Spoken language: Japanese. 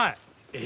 え！